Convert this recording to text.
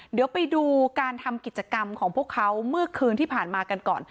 เดี๋ยวไปดูการทำกิจกรรมของพวกเขาเมื่อคืนที่ผ่านมากันก่อน